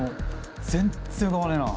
全然浮かばねえなあ。